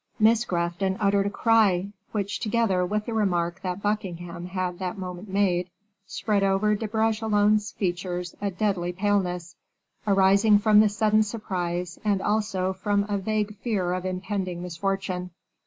Miss Grafton uttered a cry, which, together with the remark that Buckingham had that moment made, spread oover De Bragelonne's features a deadly paleness, arising from the sudden surprise, and also from a vague fear of impending misfortune.